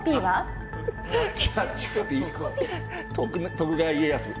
徳川家康。